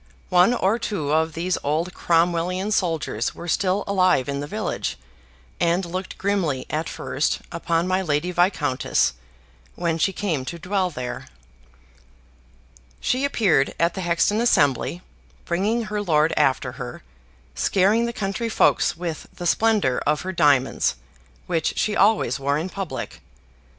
One or two of these old Cromwellian soldiers were still alive in the village, and looked grimly at first upon my Lady Viscountess, when she came to dwell there. She appeared at the Hexton Assembly, bringing her lord after her, scaring the country folks with the splendor of her diamonds, which she always wore in public.